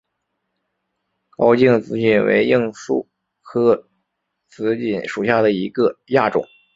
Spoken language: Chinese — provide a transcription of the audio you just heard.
高茎紫堇为罂粟科紫堇属下的一个亚种。